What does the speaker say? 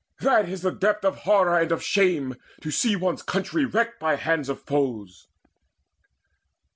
That is the depth of horror and of shame To see one's country wrecked by hands of foes."